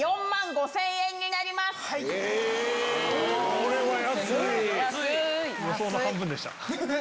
これは安い！